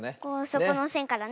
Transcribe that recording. そこのせんからね。